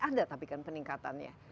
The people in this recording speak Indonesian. ada tapi kan peningkatannya